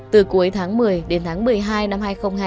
từ cuối tháng một mươi đến tháng một mươi hai năm hai nghìn hai mươi hai